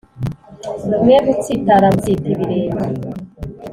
mwe gutsitara mutsita ibirenge